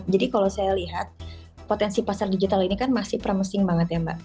jadi kalau saya lihat potensi pasar digital ini kan masih promising banget ya mbak